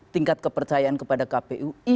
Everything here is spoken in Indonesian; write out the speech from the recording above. tingkat kepercayaan kepada kpu